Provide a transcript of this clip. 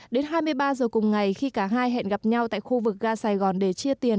đến hai mươi ba giờ cùng ngày khi cả hai hẹn gặp nhau tại khu vực ga sài gòn để chia tiền